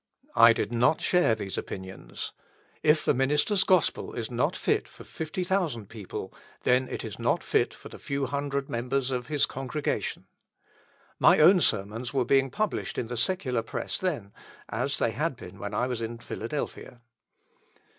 I did not share these opinions. If a minister's gospel is not fit for fifty thousand people, then it is not fit for the few hundred members of his congregation. My own sermons were being published in the secular press then, as they had been when I was in Philadelphia.